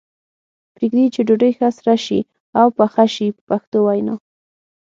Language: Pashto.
پرېږدي یې چې ډوډۍ ښه سره شي او پخه شي په پښتو وینا.